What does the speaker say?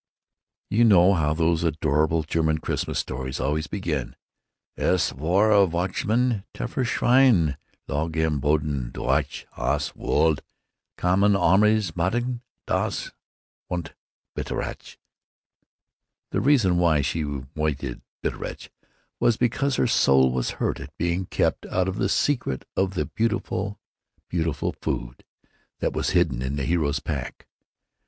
You know how those adorable German Christmas stories always begin: 'Es war Weinachtsabend. Tiefer Schnee lag am Boden. Durch das Wald kam ein armes Mädchen das weinte bitterlich.' The reason why she weinted bitterlich was because her soul was hurt at being kept out of the secret of the beautiful, beautiful food that was hidden in the hero's pack.